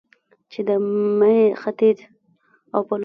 چې د ختيځ د پولادو ستر صنعتکاران ستړي نه شي.